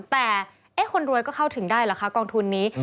แต่คนรวยก็เข้าถึงได้เหรอคะกองทุนนี้